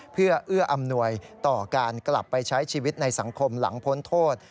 เพื่อเอื้ออำนวยต่อการกลับไปใช้ชีวิตในสังคมหลังพ้นโทษ